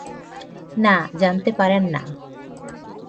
না, জানতে পারেন না।